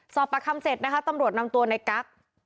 ประคัมเสร็จนะคะตำรวจนำตัวในกั๊ก